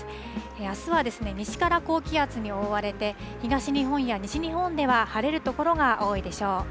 あすは西から高気圧に覆われて、東日本や西日本では晴れる所が多いでしょう。